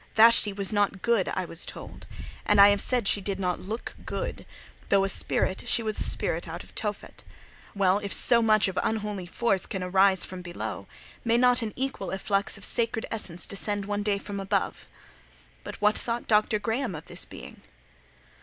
Vashti was not good, I was told; and I have said she did not look good: though a spirit, she was a spirit out of Tophet. Well, if so much of unholy force can arise from below, may not an equal efflux of sacred essence descend one day from above? What thought Dr. Graham of this being?